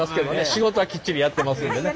仕事はきっちりやってますんでね。